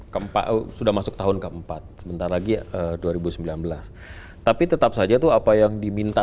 keempat sudah masuk tahun keempat sebentar lagi dua ribu sembilan belas tapi tetap saja tuh apa yang diminta